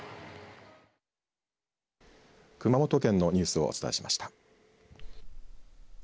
熊本県のニュースをお伝えしました。